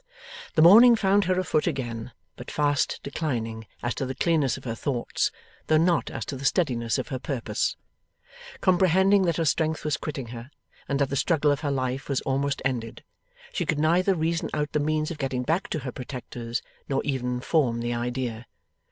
The morning found her afoot again, but fast declining as to the clearness of her thoughts, though not as to the steadiness of her purpose. Comprehending that her strength was quitting her, and that the struggle of her life was almost ended, she could neither reason out the means of getting back to her protectors, nor even form the idea.